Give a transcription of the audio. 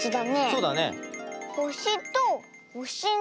そうだね。